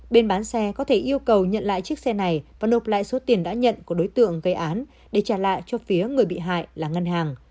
bên bán xe có thể yêu cầu nhận lại chiếc xe này và nộp lại số tiền đã nhận của đối tượng gây án để trả lại cho phía người bị hại là ngân hàng